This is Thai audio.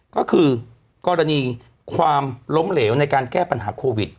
ก็คือกรณีความล้มเหลวในการแก้ปัญหาโควิด